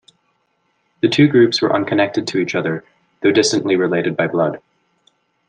The two groups were unconnected to each other, though distantly related by blood.